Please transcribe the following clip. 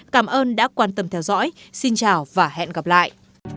cảm ơn đã quan tâm theo dõi xin chào và hẹn gặp lại